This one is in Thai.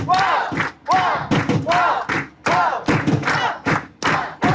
โชว์จากปริศนามหาสนุกหมายเลขหนึ่ง